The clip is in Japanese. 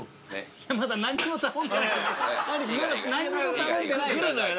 まだ何にも頼んでないよ。